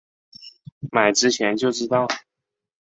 买之前就知道